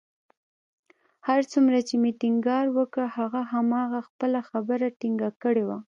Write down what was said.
هر څومره چې مې ټينګار وکړ، هغه همهغه خپله خبره ټینګه کړې وه